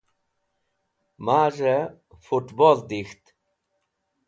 Maz̃hey Fut Bol Dikht